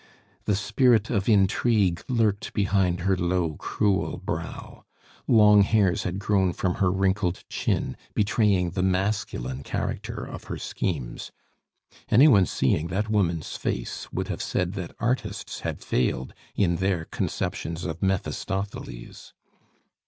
The spirit of intrigue lurked behind her low, cruel brow. Long hairs had grown from her wrinkled chin, betraying the masculine character of her schemes. Any one seeing that woman's face would have said that artists had failed in their conceptions of Mephistopheles.